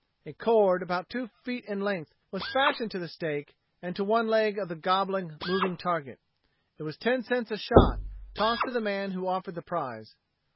A cord, about two feet in length, was fastened to the stake and to one leg of the gobbling, moving target. It was ten cents a shot, tossed to the man who offered the prize.